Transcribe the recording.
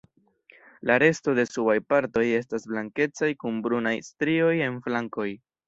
La resto de subaj partoj estas blankecaj kun brunaj strioj en flankoj.